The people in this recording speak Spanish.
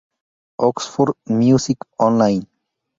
Oxford Music Online.